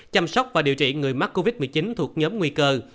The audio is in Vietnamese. chăm sóc và điều trị người mắc covid một mươi chín thuộc nhóm nguy cơ